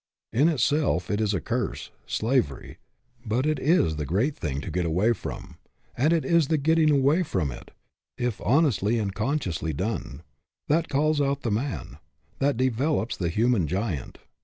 In itself it is a curse slavery but it is the great thing to get away from ; and it is the get ting away from it if honestly and conscien tiously done that calls out the man, that develops the human giant.